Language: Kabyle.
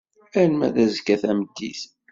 Arma d azekka tameddit.